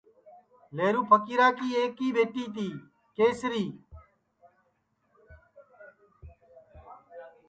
لیہرو پھکیرا کی ایکی ٻیٹی تی کیسری